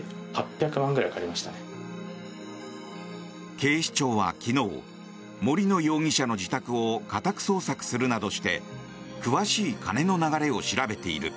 警視庁は昨日森野容疑者の自宅を家宅捜索するなどして詳しい金の流れを調べている。